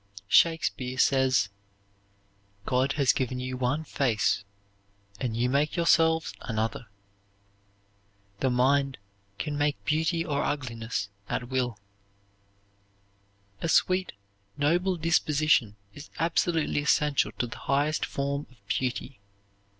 Shakespeare says: "God has given you one face and you make yourselves another." The mind can make beauty or ugliness at will. A sweet, noble disposition is absolutely essential to the highest form of beauty.